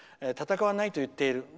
戦わないと言っている。